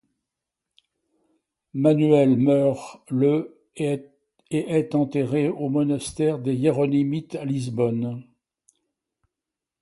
Manuel meurt le et est enterré au Monastère des Hiéronymites à Lisbonne.